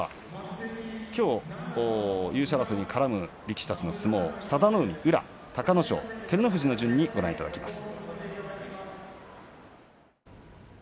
きょう優勝争いに絡む力士たちの相撲、佐田の海、宇良隆の勝、照ノ富士の順番にご覧いただきます。